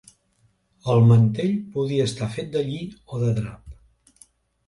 El mantell podia estar fet de lli o de drap.